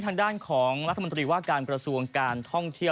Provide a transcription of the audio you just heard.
ทางด้านของรัฐมนตรีว่าการกระทรวงการท่องเที่ยว